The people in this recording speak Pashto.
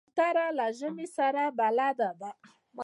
کوتره له ژمي سره بلد ده.